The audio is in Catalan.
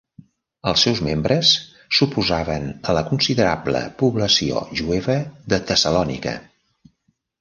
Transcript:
Els seus membres s'oposaven a la considerable població jueva de Tessalònica.